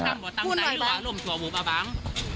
นี่นะพูดหน่อยบาง